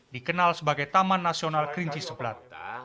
dikenal sebagai taman nasional kringji sebelan